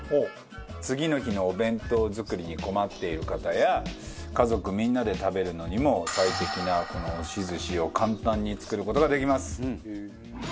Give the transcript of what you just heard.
次の日のお弁当作りに困っている方や家族みんなで食べるのにも最適なこの押し寿司を簡単に作る事ができます。